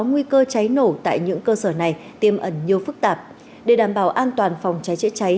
nguy cơ cháy nổ tại những cơ sở này tiêm ẩn nhiều phức tạp để đảm bảo an toàn phòng cháy chữa cháy